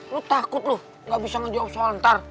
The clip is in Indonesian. lu takut lu gak bisa ngejawab soal ntar